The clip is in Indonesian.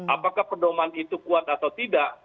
apakah pedoman itu kuat atau tidak